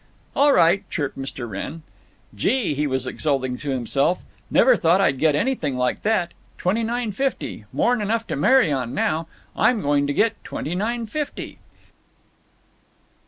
_" "All right," chirped Mr. Wrenn. "Gee!" he was exulting to himself, "never thought I'd get anything like that. Twenty nine fifty! More 'n enough to marry on now! I'm going to get _twenty nine fifty!